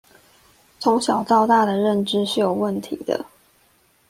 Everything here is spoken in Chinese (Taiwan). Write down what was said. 從小到大的認知是有問題的